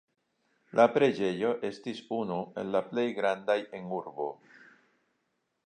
La preĝejo estis unu el la plej grandaj en urbo.